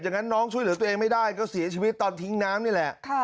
งั้นน้องช่วยเหลือตัวเองไม่ได้ก็เสียชีวิตตอนทิ้งน้ำนี่แหละ